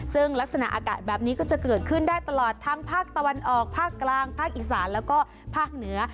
ซึ่งลักษณะอากาศแบบนี้ก็จะเกิดขึ้นได้ตลอดทั้งภาคตะวันออกภาคกลางภาคอีสานแล้วก็ภาคเหนือ